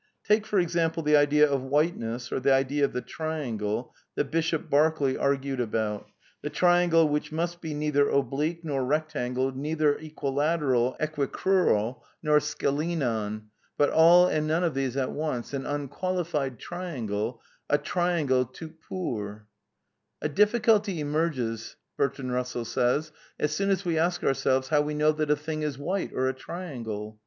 Take, for example, the idea of white THE NEW EEALISM 177 ness or the idea of the triangle that Bishop Berkeley argued about; the triangle which must be "neither oblique, nor rectangle, neither equilateral, equicrural, nor scalenon, but all and none of these at once," an unqualified triangle, a triangle tout pur, "A difficulty emerges as soon as we ask ourselyes how we know that a thing is white or a triangle.